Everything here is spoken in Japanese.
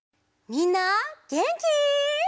みんなげんき？